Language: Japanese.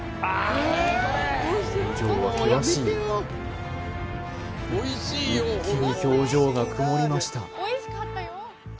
表情は険しい一気に表情が曇りました